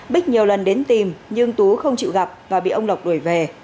bích nhiều lần đến tìm nhưng tú không chịu gặp và bị ông lộc đuổi về